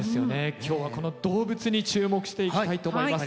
今日はこの動物に注目していきたいと思います。